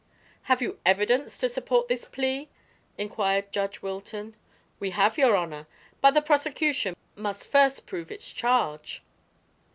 "Have you evidence to support this plea?" inquired Judge Wilton. "We have, your honor. But the prosecution must first prove its charge."